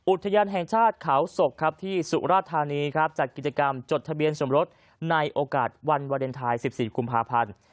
อุทยานแห่งชาติเขาศกครับที่สุราธานีครับจัดกิจกรรมจดทะเบียนสมรสในโอกาสวันวาเลนไทย๑๔กุมภาพันธ์